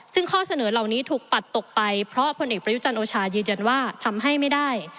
ซึ่งข้อเสนอเหล่านี้ถูกปัดตกไปเพราะผลเอกประยุจันทร์โอชายืนยันว่าทำให้ไม่ได้